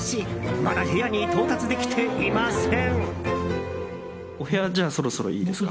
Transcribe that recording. まだ部屋に到達できていません。